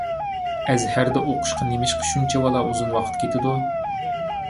ئەزھەردە ئوقۇشقا نېمىشقا شۇنچىۋالا ئۇزۇن ۋاقىت كېتىدۇ؟